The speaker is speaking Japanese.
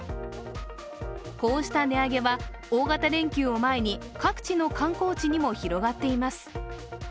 こうした値上げは、大型連休を前に各地の観光地にも広がっています。